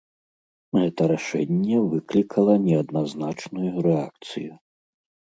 Гэта рашэнне выклікала неадназначную рэакцыю.